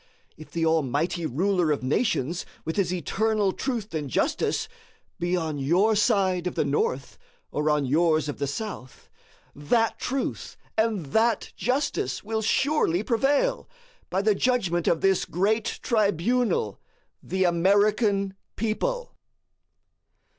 If the Almighty Ruler of Nations, with his eternal truth and justice, be on your side of the North, or on yours of the South, that truth and that justice will surely prevail, by the judgment of this great tribunal, the American people.